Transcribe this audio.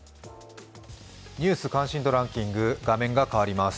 「ニュース関心度ランキング」画面が変わります。